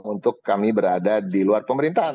untuk kami berada di luar pemerintahan